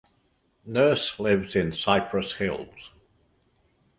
Nurse lives in Cypress Hills.